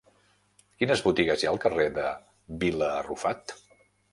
Quines botigues hi ha al carrer de Vila Arrufat?